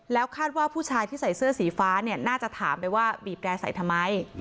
แล้วคาดว่าผู้ชายที่ใส่เสื้อสีฟ้าเนี่ยน่าจะถามไปว่าบีบแร่ใส่ทำไม